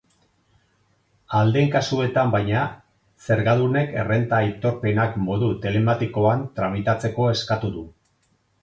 Ahal den kasuetan, baina, zergadunek errenta-aitorpenak modu telematikoan tramitatzeko eskatu du.